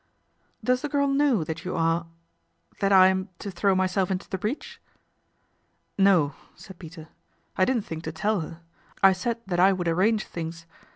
v Does the girl know that you are that I am to throw myself into the breach ?" "No," said Peter, "I didn't think to tell her. I said that I would arrange things.